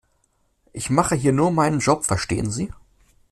Ich mache hier nur meinen Job, verstehen Sie?